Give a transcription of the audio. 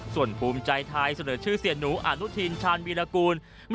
ส่วนภูมิใจไทยเสนอชื่อเสียหนูอนุทินชาญวีรกูล